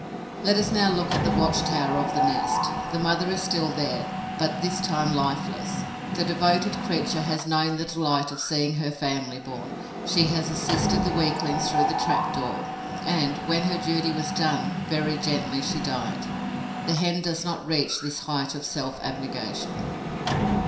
Let us now look at the watch tower of the nest. The mother is still there, but this time lifeless. The devoted creature has known the delight of seeing her family born; she has assisted the weaklings through the trap door; and, when her duty was done, very gently she died. The Hen does not reach this height of self abnegation.